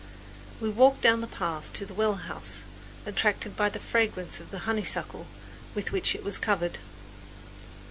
We walked down the path to the well house, attracted by the fragrance of the honeysuckle with which it was covered.